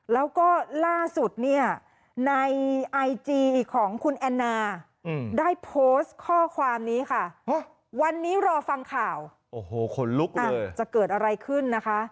แล้วก็ล่าสุดเนี่ยในไอจีของคุณแอนนาได้โพสต์ข้อความนี้ค่ะวันนี้รอฟังข่าวโอ้โหคนลุกเลย